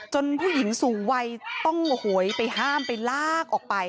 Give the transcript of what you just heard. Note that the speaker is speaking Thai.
ผู้หญิงสูงวัยต้องโอ้โหไปห้ามไปลากออกไป